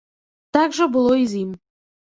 Так жа было і з ім.